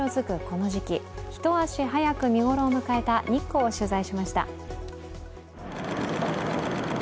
この時期一足早く見頃を迎えた日光を取材しました。